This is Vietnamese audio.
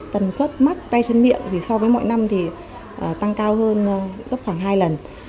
tần suất mắc tay chân miệng so với mỗi năm tăng cao hơn gấp khoảng hai lần